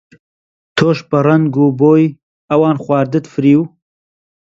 تۆش بە ڕەنگ و بۆی ئەوان خواردت فریو؟